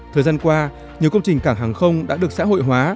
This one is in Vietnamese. thời gian qua nhiều công trình cảng hàng không đã được xã hội hóa